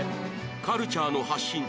カルチャーの発信地